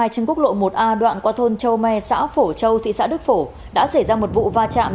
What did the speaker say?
trên quốc lộ một a đoạn qua thôn châu me xã phổ châu thị xã đức phổ đã xảy ra một vụ va chạm